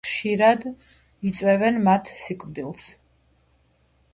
ხშირად იწვევენ მათ სიკვდილს.